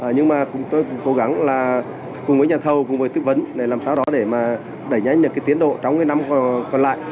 nhưng mà chúng tôi cũng cố gắng là cùng với nhà thầu cùng với tư vấn để làm sao đó để mà đẩy nhanh được cái tiến độ trong cái năm còn lại